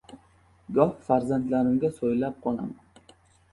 Goh farzandlarimga so‘ylab qolaman